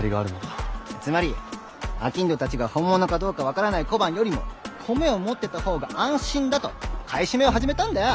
つまり商人たちが本物かどうか分からない小判よりも米を持ってたほうが安心だと買い占めを始めたんだよ。